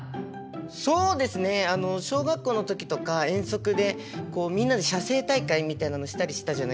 そうですね小学校の時とか遠足でみんなで写生大会みたいなのしたりしたじゃないですか。